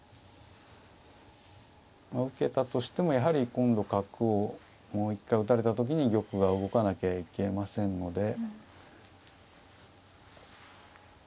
まあ受けたとしてもやはり今度角をもう一回打たれた時に玉が動かなきゃいけませんので。